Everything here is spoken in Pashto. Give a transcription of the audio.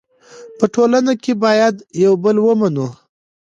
په ټولنه کې باید یو بل ومنو.